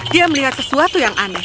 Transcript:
dia melihat sesuatu yang aneh